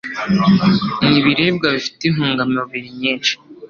Ni ibiribwa bifite intungamubiri nyinshi